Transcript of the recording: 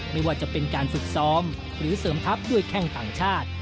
ไม่ว่าจะเป็นการฝึกซ้อมหรือเสริมทัพด้วยแข้งต่างชาติ